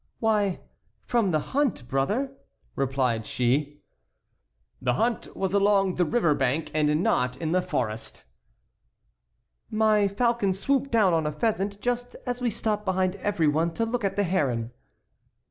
"Why, from the hunt, brother," replied she. "The hunt was along the river bank, and not in the forest." "My falcon swooped down on a pheasant just as we stopped behind every one to look at the heron."